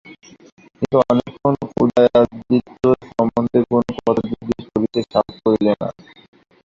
কিন্তু অনেকক্ষণ উদয়াদিত্য সম্বন্ধে কোনো কথা জিজ্ঞাসা করিতে সাহস করিলেন না।